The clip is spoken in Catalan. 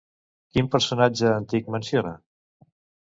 Quin personatge antic menciona?